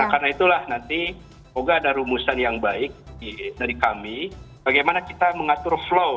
karena itulah nanti semoga ada rumusan yang baik dari kami bagaimana kita mengatur flow